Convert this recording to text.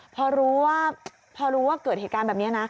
พอรู้ว่าเกิดเหตุการณ์แบบนี้